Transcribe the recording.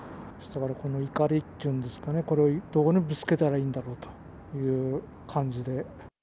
この怒りっていうんですかね、これをどこにぶつけたらいいんだろうという感じで。